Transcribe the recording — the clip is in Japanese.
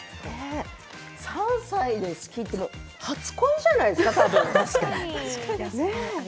３歳で好きって初恋じゃないですか、多分。